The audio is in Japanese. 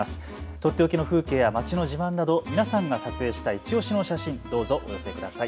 とっておきの風景や街の自慢など皆さんが撮影したいちオシの写真をお寄せください。